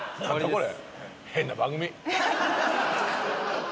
これ。